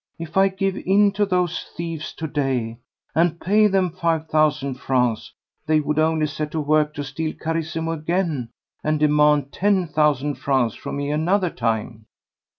"If I give in to those thieves to day and pay them five thousand francs, they would only set to work to steal Carissimo again and demand ten thousand francs from me another time."